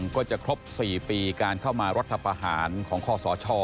ก็จะครบ๔ปีการเข้ามารัฐภาษณ์ของข้อสอช่อ